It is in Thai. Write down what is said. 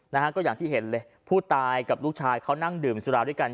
นะฮะก็อย่างที่เห็นเลยผู้ตายกับลูกชายเขานั่งดื่มสุราด้วยกัน